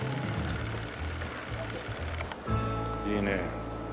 いいね。